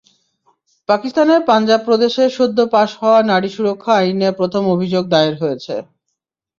পাকিস্তানের পাঞ্জাব প্রদেশে সদ্য পাস হওয়া নারী সুরক্ষা আইনে প্রথম অভিযোগ দায়ের হয়েছে।